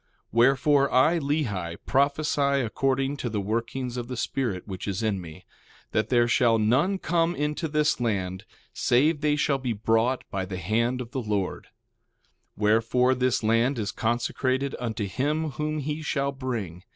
1:6 Wherefore, I, Lehi, prophesy according to the workings of the Spirit which is in me, that there shall none come into this land save they shall be brought by the hand of the Lord. 1:7 Wherefore, this land is consecrated unto him whom he shall bring.